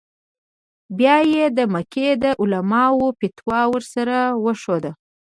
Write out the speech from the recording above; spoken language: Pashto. بیا یې د مکې د علماوو فتوا ور وښوده.